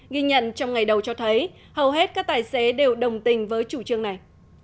ghi nhận trong ngày đầu cho thấy hầu hết các tài xế đều đồng tình với chủ trương này